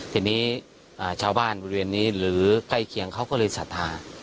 ทีนี้ชาวบ้านบริเวณนี้หรือใกล้เคียงเขาก็เลยศรัทธา